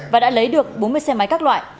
và đã lấy được bốn mươi xe máy các loại